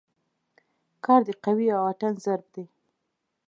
کار د قوې او واټن ضرب دی.